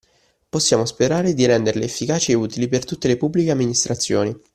Possiamo sperare di renderle efficaci e utili per tutte le Pubbliche Amministrazioni.